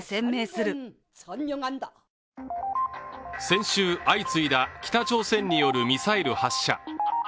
先週、相次いだ北朝鮮によるミサイル発射。